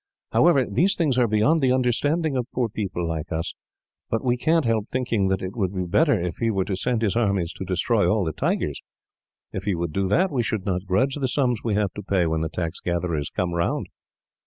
However, these things are beyond the understanding of poor people like us; but we can't help thinking that it would be better if he were to send his armies to destroy all the tigers. If he would do that, we should not grudge the sums we have to pay, when the tax gatherers come round."